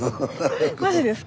マジですか？